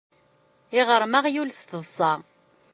Iɣrem aɣyul s teḍṣa.